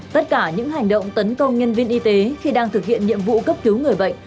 tất cả những hành động tấn công nhân viên y tế khi đang thực hiện nhiệm vụ cấp cứu người bệnh